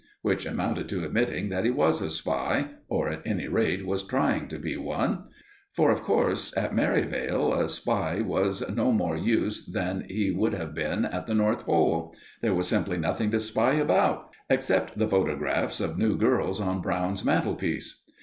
Which amounted to admitting that he was a spy, or, at any rate, was trying to be one; for, of course, at Merivale a spy was no more use than he would have been at the North Pole. There was simply nothing to spy about, except the photographs of new girls on Brown's mantelpiece.